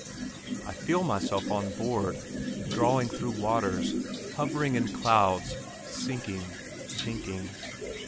I feel myself on board, drawn through waters, hovering in clouds, sinking sinking.